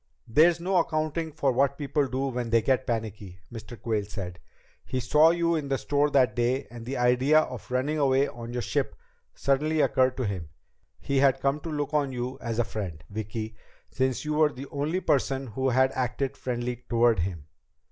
"There's no accounting for what people do when they get panicky," Mr. Quayle said. "He saw you in the store that day and the idea of running away on your ship suddenly occurred to him. He had come to look on you as a friend, Vicki, since you were the only person who had acted friendly toward him.